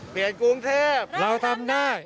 เปลี่ยนกรุงเทพเราทำได้